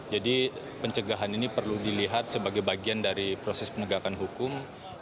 jadi pencegahan ini perlu dilihat sebagai bagian dari proses penegakan hukum